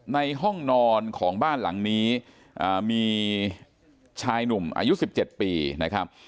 ในห้องนอนของบ้านหลังนี้มีชายหนุ่มอายุ๑๗ปีนะครับ